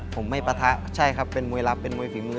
ผมไม่ปะทะใช่ครับเป็นมวยลับเป็นมวยฝีมือ